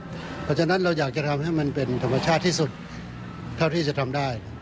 เพราะฉะนั้นเราอยากจะทำให้มันเป็นธรรมชาติที่สุดเท่าที่จะทำได้